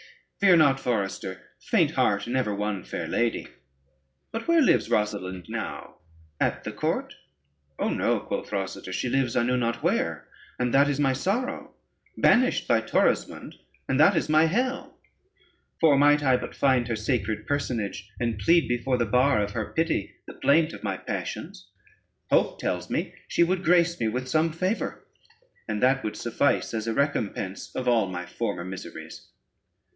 Fear not, forester; faint heart never won fair lady. But where lives Rosalynde now? at the court?" [Footnote 1: swoops, a term used in falconry.] [Footnote 2: club footed.] "Oh no," quoth Rosader, "she lives I know not where, and that is my sorrow; banished by Torismond, and that is my hell: for might I but find her sacred personage, and plead before the bar of her pity the plaint of my passions, hope tells me she would grace me with some favor, and that would suffice as a recompense of all my former miseries."